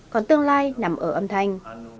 còn tương lai nằm ở âm thanh